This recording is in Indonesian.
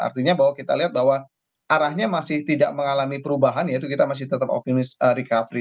artinya bahwa kita lihat bahwa arahnya masih tidak mengalami perubahan yaitu kita masih tetap optimis recovery